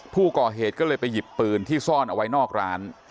ผู้ก่อเหตุก็เลยไปหยิบปืนที่ซ่อนเอาไว้นอกร้าน